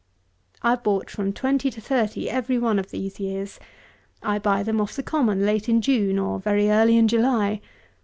I have bought from twenty to thirty every one of these years. I buy them off the common late in June, or very early in July.